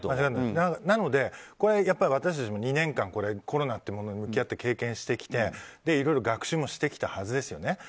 なので、私たちも２年間コロナっていうものに向き合って経験してきていろいろ学習もしてきたはずですよね。